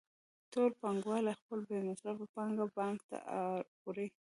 ټول پانګوال خپله بې مصرفه پانګه بانک ته وړي